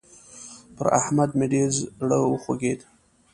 پر احمد مې ډېر زړه وخوږېد.